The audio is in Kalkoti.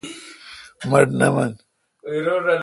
مٹھ نہ من نا۔